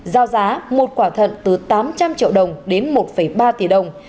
giao giá một quả thận từ tám trăm linh triệu đồng đến một ba tỷ đồng